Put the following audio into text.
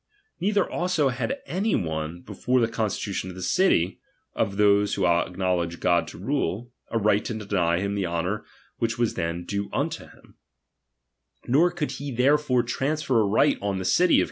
Neither also had any one, before the constitution of a city, of those who acknowledge God to rule, a right to deny him the honour which was then due unto him ; RELIGION. 223 Xefore transfer a right on the city chap.